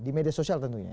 di media sosial tentunya ya